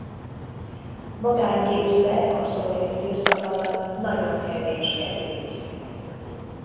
Magánkézbe a szovjet időszak alatt nagyon kevés került.